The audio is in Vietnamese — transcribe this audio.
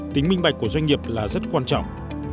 tính minh bạch của doanh nghiệp là rất quan trọng